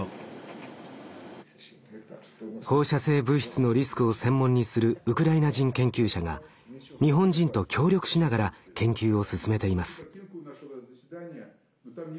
放射性物質のリスクを専門にするウクライナ人研究者が日本人と協力しながら研究を進めています。